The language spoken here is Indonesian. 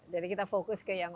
jadi kita fokus ke yang